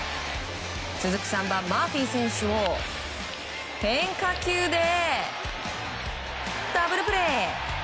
続く３番、マーフィー選手を変化球でダブルプレー！